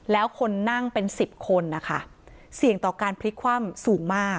แล้วคนนั่งเป็นสิบคนนะคะเสี่ยงต่อการพลิกคว่ำสูงมาก